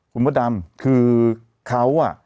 คุณโมธดาบคือเขา